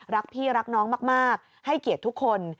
รักพี่รักน้องมากให้เกียรติทุกคน